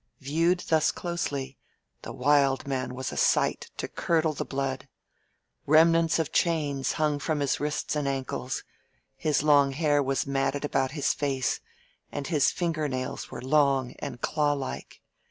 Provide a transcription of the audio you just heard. Viewed thus closely, the Wild Man was a sight to curdle the blood. Remnants of chains hung from his wrists and ankles; his long hair was matted about his face; and his finger nails were long and claw like.